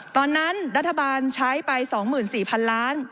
ตอนนั้นรัฐบาลใช้ไป๒๔๐๐๐ล้าน